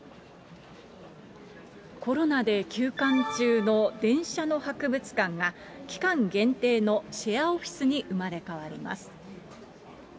コロナで休館中の電車の博物館が、期間限定のシェアオフィスに生まれ変わります。